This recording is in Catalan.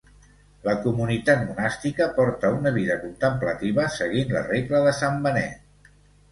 La comunitat monàstica porta una vida contemplativa seguint la Regla de sant Benet.